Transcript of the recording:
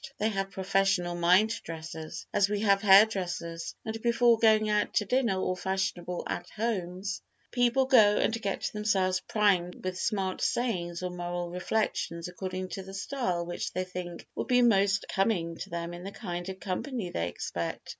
They have professional mind dressers, as we have hair dressers, and before going out to dinner or fashionable At homes, people go and get themselves primed with smart sayings or moral reflections according to the style which they think will be most becoming to them in the kind of company they expect.